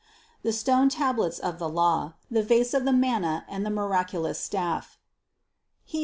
The stone tablets of the law, the vase of the manna and the miraculous staff (Heb.